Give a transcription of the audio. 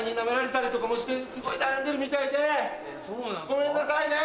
ごめんなさいね。